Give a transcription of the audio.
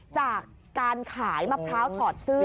จากการขายมะพร้าวถอดเสื้อ